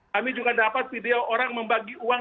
kami juga dapat video orang membagi uang